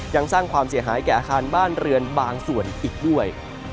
ยังสร้างความเสียหายแก่อาคารบ้านเรือนบางส่วนอีกด้วย